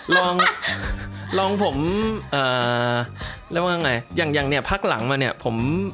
ลองลองผมเอ่อเรียกว่าไงอย่างอย่างเนี่ยพักหลังมาเนี่ยผม